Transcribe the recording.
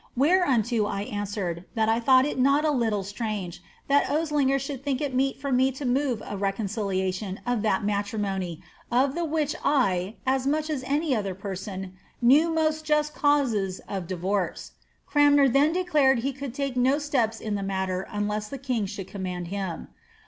Whereunto I answered, that I thought it not a little ttrange, tliat Ovliger should think it meet fur mo to move a reconciliation of that matrimony of the which I, as much as any other person, knew most just cau9er of Hivori'e. (Cranmer then declared he could take no stept in the matter unless thi king thould command him.)